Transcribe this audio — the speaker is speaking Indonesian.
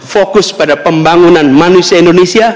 fokus pada pembangunan manusia indonesia